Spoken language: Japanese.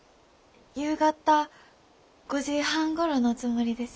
夕方５時半ごろのつもりです。